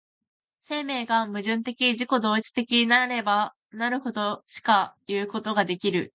生命が矛盾的自己同一的なればなるほどしかいうことができる。